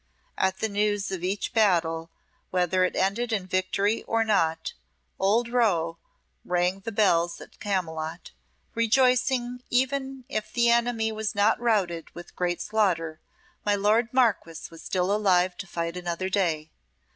At the news of each battle, whether it ended in victory or not, old Rowe rang the bells at Camylott, rejoicing that even if the enemy was not routed with great slaughter, my lord Marquess was still alive to fight another day.